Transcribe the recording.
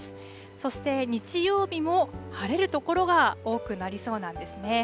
そして日曜日も晴れる所が多くなりそうなんですね。